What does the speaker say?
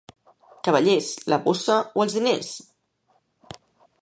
Cavallers, la bossa o els diners!